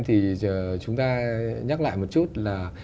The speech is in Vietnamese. thì chúng ta nhắc lại một chút là